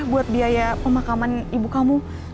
buat biaya pemakaman ibu kamu